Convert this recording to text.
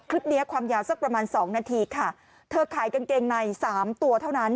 เนี้ยความยาวสักประมาณสองนาทีค่ะเธอขายกางเกงในสามตัวเท่านั้น